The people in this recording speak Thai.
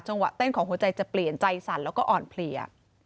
วะเต้นของหัวใจจะเปลี่ยนใจสั่นแล้วก็อ่อนเพลีย